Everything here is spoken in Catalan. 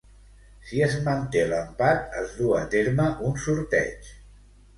Si es manté l'empat, es duu a terme un sorteig.